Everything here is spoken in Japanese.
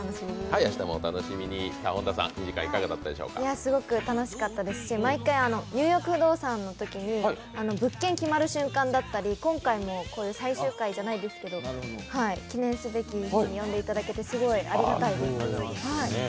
すごく楽しかったですし毎回「ニューヨーク不動産」のときに物件決まる瞬間だったり、今回も最終回じゃないですけど、記念すべき日に呼んでいただいて、すごいありがたいです。